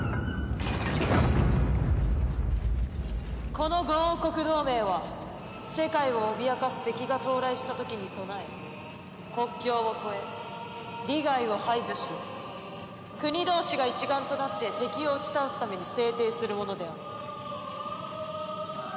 「この５王国同盟は世界を脅かす敵が到来した時に備え国境を超え利害を排除し国同士が一丸となって敵を打ち倒すために制定するものである」